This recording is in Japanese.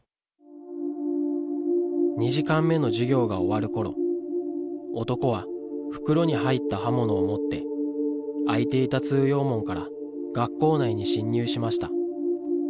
２時間目の授業が終わるころ、男は袋に入った刃物を持って、開いていた通用門から学校内に侵入しました。